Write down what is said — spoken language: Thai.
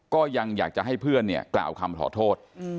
ก็ยังอยากจะให้เพื่อนเนี่ยกล่าวคำขอโทษ